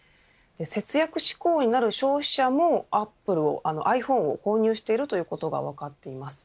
節約志向になる消費者もｉＰｈｏｎｅを購入しているということが分かっています。